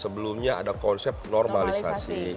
sebelumnya ada konsep normalisasi